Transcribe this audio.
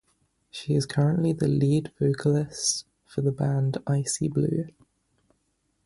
She is currently the lead vocalist for the band Icy Blue.